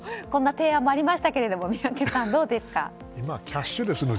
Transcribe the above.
こんな提案もありましたが宮家さん、どうですか？